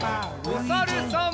おさるさん。